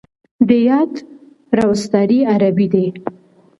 د يات روستاړی عربي دی.